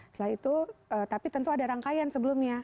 setelah itu tapi tentu ada rangkaian sebelumnya